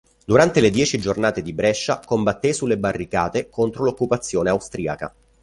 Durante le Dieci giornate di Brescia combatté sulle barricate contro l'occupazione austriaca.